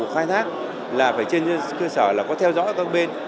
khai thác là phải trên cơ sở là có theo dõi ở các bên